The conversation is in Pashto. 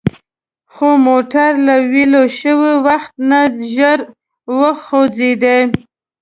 خو موټر له ویل شوي وخت نه ژر وخوځید.